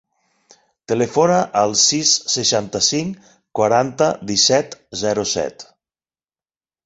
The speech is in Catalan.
Telefona al sis, seixanta-cinc, quaranta, disset, zero, set.